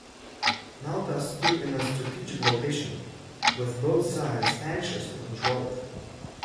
Malta stood in a strategic location, with both sides anxious to control it.